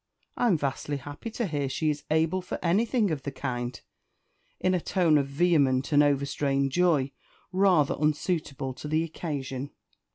"I'm vastly happy to hear she is able for anything of the kind," in a tone of vehement and overstrained joy, rather unsuitable to the occasion.